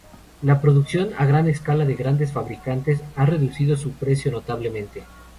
La producción a gran escala de grandes fabricantes a reducido su precio notablemente.